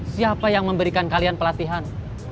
siapa yang memberikan kalian pelatihan